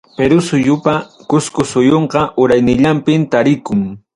Perú suyupa, Cusco suyunqa urayninlanpi tarikun.